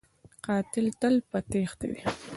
قاتل تل په تیښته وي